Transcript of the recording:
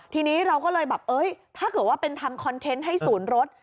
ทีนี้เราก็เลยแบบเอ้ยถ้าเกิดว่าเป็นทำคอนเทนต์ให้ศูนย์รถ